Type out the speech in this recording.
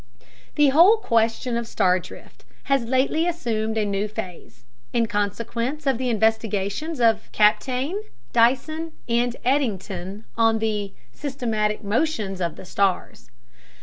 The whole question of star drift has lately assumed a new phase, in consequence of the investigations of Kapteyn, Dyson, and Eddington on the "systematic motions of the stars."